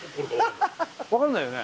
分かんないよね